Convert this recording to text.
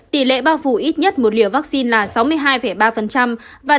tỷ lệ bao phủ ít nhất một liều vaccine là chín mươi sáu bảy và hơn một hai triệu liều mũi hai